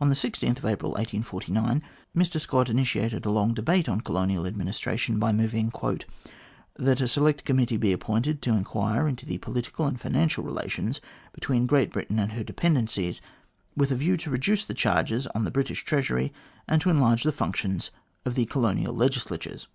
On April 16, 1849, Mr Scott initiated a long debate on colonial administration by moving : "That a select committee be appointed to enquire into the political and financial relations between Great Britain and her dependencies, with a view to reduce the charges on the British Treasury, and to enlarge the functions of the Colonial Legisla tures."